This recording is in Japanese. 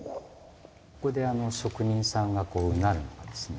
ここで職人さんがうなるのはですね